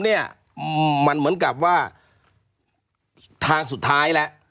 เนี่ยมันเหมือนกับว่าทางสุดท้ายแล้ว